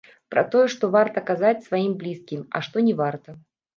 Пра тое, што варта казаць, сваім блізкім, а што не варта.